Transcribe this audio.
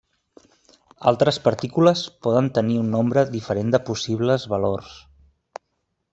Altres partícules poden tenir un nombre diferent de possibles valors.